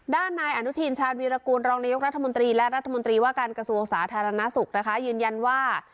ด้านนายอนุทินชาญวีรกูลรองนายกรัฐมนตรีและรัฐมนตรีว่าการกระทรวงสาธารณสุขนะคะยืนยันว่า